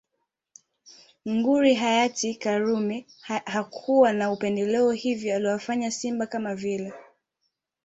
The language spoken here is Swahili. Nguri hayati karume hakuwa na upendeleo hivyo aliwafanyia simba kama vile